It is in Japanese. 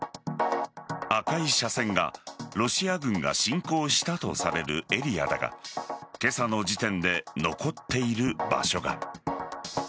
赤い斜線がロシア軍が侵攻したとされるエリアだが今朝の時点で残っている場所が。